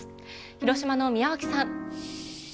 広島の宮脇さん。